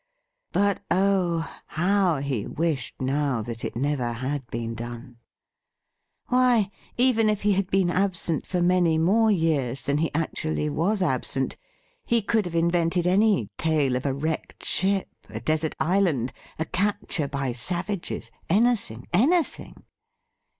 But, oh ! how he wished now that it never had been done ! Why, even if he had been absent for many more years than he actually was absent, he could have invented any tale of a wrecked ship, a desert island, a capture by savages — anything, anything